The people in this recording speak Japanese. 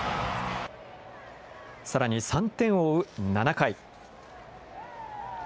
さらに３点を追う７回。